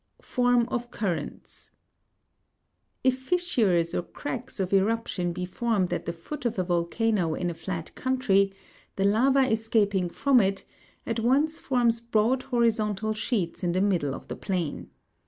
32. Form of currents. If fissures or cracks of eruption be formed at the foot of a volcano in a flat country, the lava escaping from it at once forms broad horizontal sheets in the middle of the plain.